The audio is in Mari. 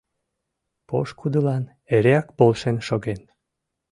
Пошкудылан эреак полшен шоген.